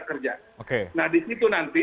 kerja nah di situ nanti